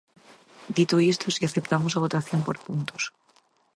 Dito isto, si aceptamos a votación por puntos.